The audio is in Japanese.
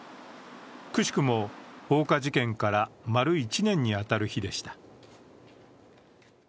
くしくも放火事件から丸一年に当たる日でした。